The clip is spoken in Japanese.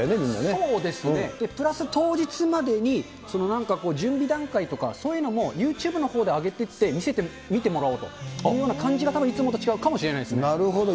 そうですね、プラス当日までになんかこう、準備段階とか、そういうのもユーチューブのほうで上げてって、見てもらおうというような感じがいつもとたぶん違うかもしれないなるほど。